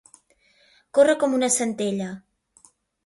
Córrer com una centella.